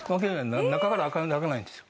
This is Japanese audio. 中から開かないんですよ。